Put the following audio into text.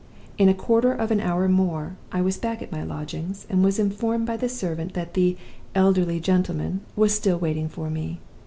In a quarter of an hour more I was back at my lodgings, and was informed by the servant that 'the elderly gentleman' was still waiting for me.